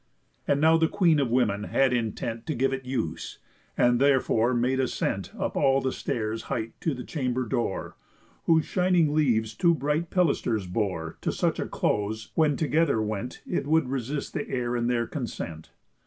And now the Queen of women had intent To give it use, and therefore made ascent Up all the stairs' height to the chamber door, Whose shining leaves two bright pilasters bore To such a close when both together went It would resist the air in their consent.